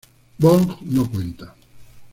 Björk nos cuenta.